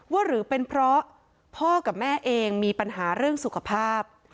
หรือเป็นเพราะพ่อกับแม่เองมีปัญหาเรื่องสุขภาพ